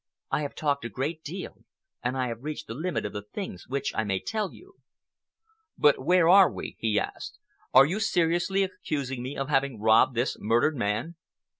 "I have talked a great deal and I have reached the limit of the things which I may tell you." "But where are we?" he asked. "Are you seriously accusing me of having robbed this murdered man?"